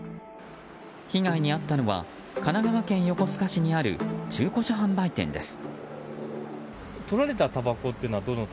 被害に遭ったのは神奈川県横須賀市にある中古車販売店です。